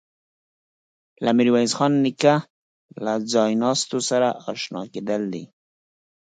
له میرویس خان نیکه له ځایناستو سره آشنا کېدل دي.